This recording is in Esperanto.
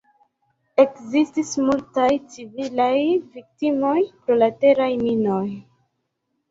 Ekzistis multaj civilaj viktimoj pro la teraj minoj.